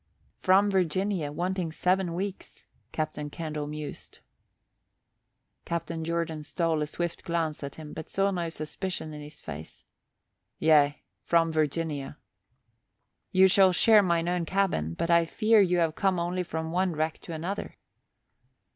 "From Virginia, wanting seven weeks," Captain Candle mused. Captain Jordan stole a swift glance at him but saw no suspicion in his face. "Yea, from Virginia." "You shall share mine own cabin but I fear you have come only from one wreck to another."